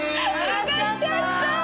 あがっちゃった。